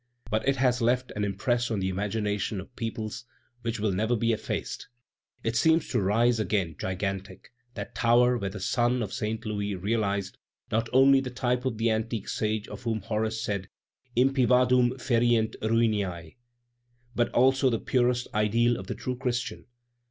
But it has left an impress on the imagination of peoples which will never be effaced. It seems to rise again gigantic, that tower where the son of Saint Louis realized not alone the type of the antique sage of whom Horace said: Impavidum ferient ruinae, but also the purest ideal of the true Christian.